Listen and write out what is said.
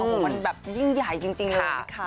โอ้โหมันแบบยิ่งใหญ่จริงเลยนะคะ